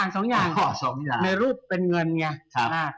๒ในรูปเป็นเงินเนี่ย